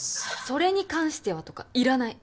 それに関してはとかいらない。